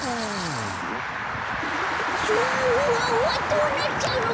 どうなっちゃうの？